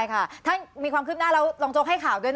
ใช่ครับใช่ครับได้ค่ะ